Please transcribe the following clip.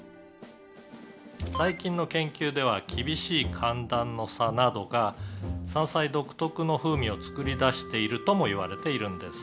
「最近の研究では厳しい寒暖の差などが山菜独特の風味を作り出しているともいわれているんです」